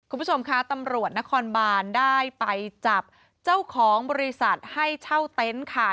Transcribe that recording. คุณผู้ชมคะตำรวจนครบานได้ไปจับเจ้าของบริษัทให้เช่าเต็นต์ค่ะ